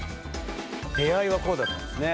出会いはこうだったんですね。